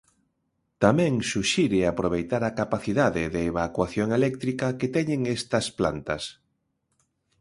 Tamén suxire aproveitar a capacidade de evacuación eléctrica que teñen estas plantas.